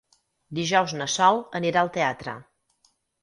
Dijous na Sol anirà al teatre.